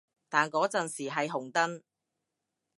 但嗰陣時係紅燈